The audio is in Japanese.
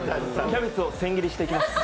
キャベツを千切りにしていきます。